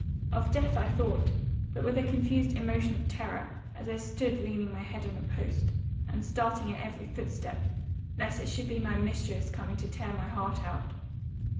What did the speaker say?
Of death I thought, but with a confused emotion of terror, as I stood leaning my head on a post, and starting at every footstep, lest it should be my mistress coming to tear my heart out.